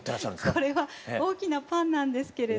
これは大きなパンなんですけれど。